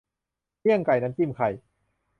เมี่ยงไก่ น้ำจิ้มไข่